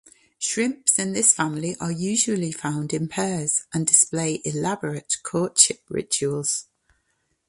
Shrimps in this family are usually found in pairs and display elaborate courtship rituals.